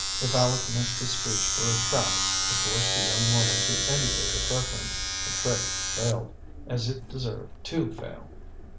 If Aleck meant this speech for a trap to force the young woman to indicate a preference, the trick failed, as it deserved to fail.